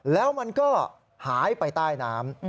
แล้วมันก็หายไปใต้น้ำ